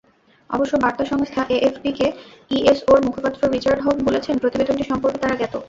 অবশ্য বার্তা সংস্থা এএফপিকে ইএসওর মুখপাত্র রিচার্ড হুক বলেছেন, প্রতিবেদনটি সম্পর্কে তাঁরা জ্ঞাত।